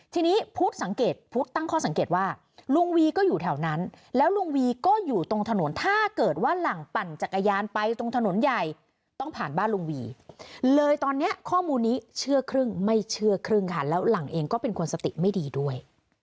ทีนี้พุทธสังเกตพุทธตั้งข้อสังเกตว่าลุงวีก็อยู่แถวนั้นแล้วลุงวีก็อยู่ตรงถนนถ้าเกิดว่าหลังปั่นจักรยานไปตรงถนนใหญ่ต้องผ่านบ้านลุงวีเลยตอนนี้ข้อมูลนี้เชื่อครึ่งไม่เชื่อครึ่งค่ะแล้วหลังเองก็เป็นคนสติไม่ดีด้วย